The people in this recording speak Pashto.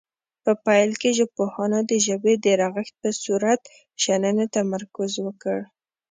په پیل کې ژبپوهانو د ژبې د رغښت په صوري شننې تمرکز وکړ